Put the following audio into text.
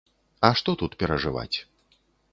А што тут перажываць.